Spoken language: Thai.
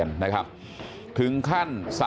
มต้นหนาเอาไปดูคลิปก่อนครับ